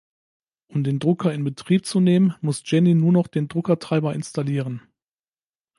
Um den Drucker in Betrieb zu nehmen muss Jenny nur noch den Druckertreiber installieren.